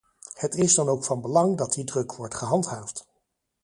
Het is dan ook van belang dat die druk wordt gehandhaafd.